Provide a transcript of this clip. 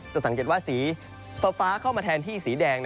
สังเกตว่าสีฟ้าเข้ามาแทนที่สีแดง